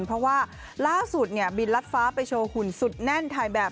เพราะว่าล่าสุดเนี่ยบินรัดฟ้าไปโชว์หุ่นสุดแน่นถ่ายแบบ